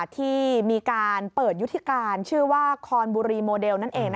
ที่มีการเปิดยุธิการชื่อว่าคอร์นบูรีโมเดล